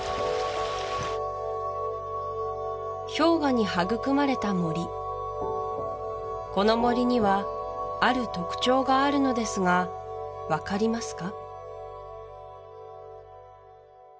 氷河に育まれた森この森にはある特徴があるのですが分かりますか？